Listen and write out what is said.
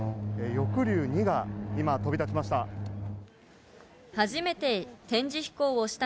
「翼竜２」が今飛び立ちました。